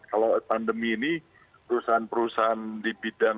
kalau pandemi ini perusahaan perusahaan di bidang